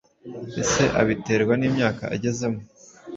ese abiterwa n’imyaka agezemo,